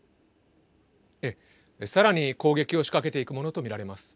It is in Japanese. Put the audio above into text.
さらに攻撃を仕掛けていくものと見られます。